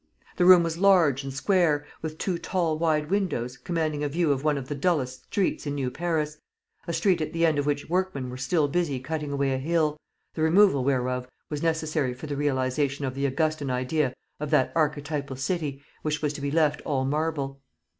The room was large and square, with two tall wide windows commanding a view of one of the dullest streets in new Paris a street at the end of which workmen were still busy cutting away a hill, the removal whereof was necessary for the realisation of the Augustan idea of that archetypal city, which was to be left all marble.